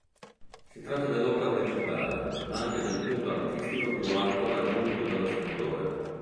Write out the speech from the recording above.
Si tratta dell'opera principale, ma anche del punto artistico più alto raggiunto dallo scultore.